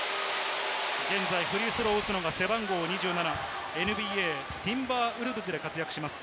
現在フリースローを打つのが背番号２７、ＮＢＡティンバーウルブズで活躍します